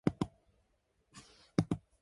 Loyalty gives us prosperity and happiness.